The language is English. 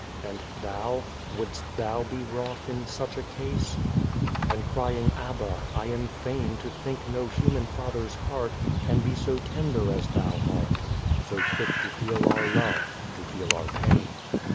And Thou wouldst Thou be wroth in such a case ? And crying Abba, I am fain To think no human father's heart Can be so tender as Thou art, So quick to feel our love, to feel our pain.